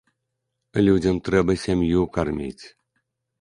Людзям трэба сям'ю карміць.